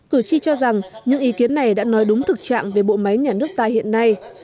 cử tri cho rằng những ý kiến này đã nói đúng thực trạng về bộ máy nhà nước ta hiện nay